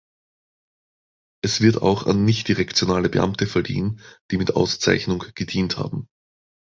Es wird auch an nicht-direktionale Beamte verliehen, die mit Auszeichnung gedient haben.